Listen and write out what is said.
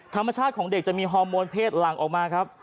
ธรรมชาติของเด็กจะมีฮอร์โมนเพศหลั่งออกมาครับ